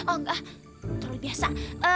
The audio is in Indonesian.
oh enggak terlalu biasa